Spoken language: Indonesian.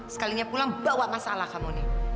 jika tidak pulang bagaimana dengan masalah kamu